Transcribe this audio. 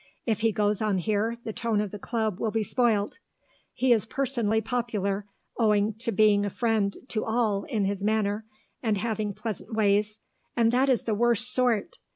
"If he goes on here, the tone of the Club will be spoilt, he is personally popular, owing to being a friend to all in his manner and having pleasant ways, and that is the worst sort.